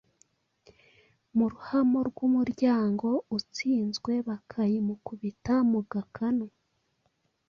mu Ruhamo rw'umuryango , utsinzwe bakayimukubita mu gakanu ,